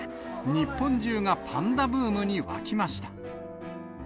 日本中がパンダブームに沸きました。